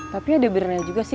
tapi yaudah berniat juga sih